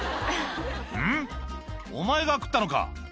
「うん？お前が食ったのか？」